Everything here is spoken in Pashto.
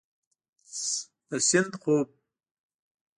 د سیند خوب